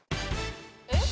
「えっ？」